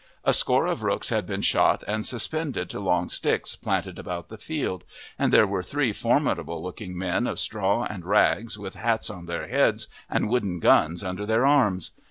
A score of rooks had been shot and suspended to long sticks planted about the field, and there were three formidable looking men of straw and rags with hats on their heads and wooden guns under their arms.